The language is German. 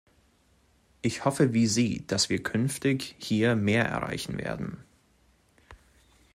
Ich hoffe wie Sie, dass wir künftig hier mehr erreichen werden.